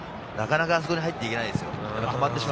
なかなかあそこに入っていけないですよ。